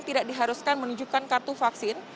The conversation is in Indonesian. tidak diharuskan menunjukkan kartu vaksin